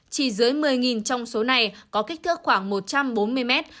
chỉ dưới một mươi trong số này có kích thước khoảng một trăm bốn mươi mét